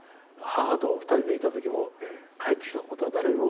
母と２人でいた時も帰ってきたことは誰にも。